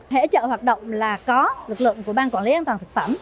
hệ chợ hoạt động là có lực lượng của ban quản lý an toàn thực phẩm